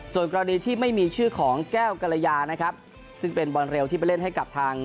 ส่วนกรณีที่ไม่มีชื่อของแก้วกรยานะครับซึ่งเป็นบอลเร็วที่ไปเล่นให้กับทาง